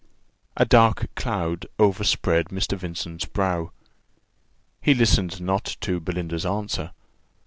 A dark cloud overspread Mr. Vincent's brow he listened not to Belinda's answer.